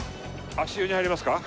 足湯に入りますか？